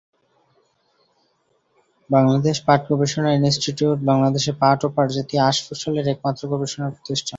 বাংলাদেশ পাট গবেষণা ইনস্টিটিউট বাংলাদেশে পাট ও পাট জাতীয় আঁশ ফসলের একমাত্র গবেষণা প্রতিষ্ঠান।